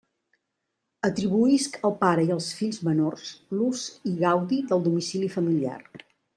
Atribuïsc al pare i als fills menors l'ús i gaudi del domicili familiar.